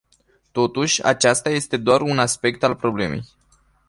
Totuși, acesta este doar un aspect al problemei.